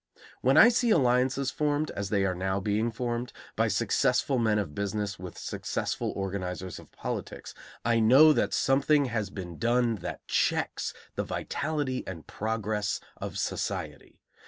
When I see alliances formed, as they are now being formed, by successful men of business with successful organizers of politics, I know that something has been done that checks the vitality and progress of society.